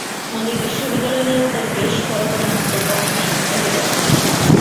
আমাদের বিশ্ববিদ্যালয় নিয়েও তাঁর বেশ কড়া কড়া মন্তব্য আমাকে শুনতে হলো।